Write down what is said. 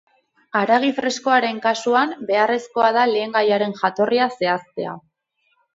Haragi freskoaren kasuan, beharrezkoa da lehengaiaren jatorria zehaztea.